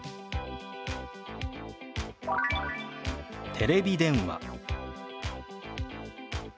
「テレビ電話」。